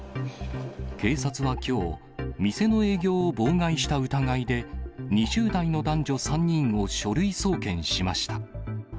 警察はきょう、店の営業を妨害した疑いで、２０代の男女３人を書類送検しました。